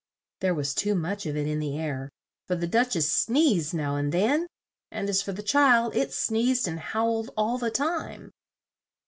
There was too much of it in the air, for the Duch ess sneezed now and then; and as for the child, it sneezed and howled all the time.